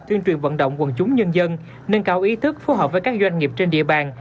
tuyên truyền vận động quần chúng nhân dân nâng cao ý thức phù hợp với các doanh nghiệp trên địa bàn